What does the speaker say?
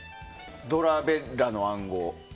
ドラベッラの暗号。